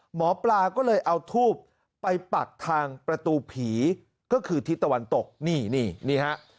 หมอปลาก็เลยเอาทูบไปปักทางประตูผีก็คือทิศตะวันตกนี่นี่ฮะ